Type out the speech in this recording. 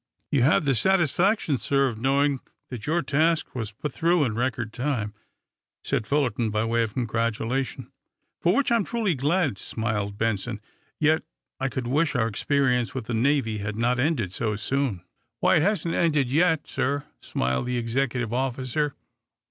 "You have the satisfaction, sir, of knowing that your task was put through in record time," said Fullerton, by way of congratulation. "For which I'm truly glad," smiled Benson. "Yet I could wish our experience with the Navy had not ended so soon." "Why, it hasn't ended yet, sir," smiled the executive officer.